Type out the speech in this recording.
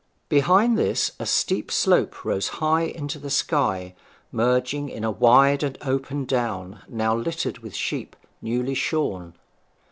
Behind this a steep slope rose high into the sky, merging in a wide and open down, now littered with sheep newly shorn.